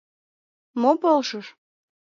Мо полшыш?